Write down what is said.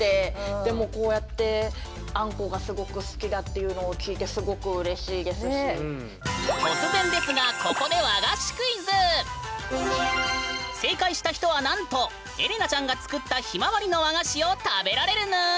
でもこうやって突然ですがここで正解した人はなんとエレナちゃんが作ったひまわりの和菓子を食べられるぬん！